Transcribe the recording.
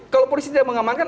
kalau polisi tidak mengamankan